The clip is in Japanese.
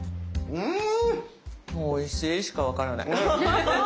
うん！